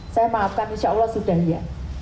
saya maafkan insya allah sudah ya